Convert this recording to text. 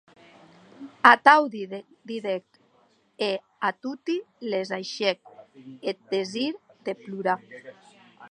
Atau didec, e a toti les ahisquèc eth desir de plorar.